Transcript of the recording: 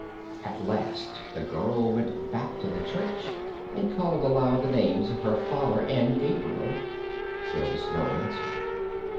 At last the girl went back to the church and called aloud the names of her father and Gabriel. There was no answer.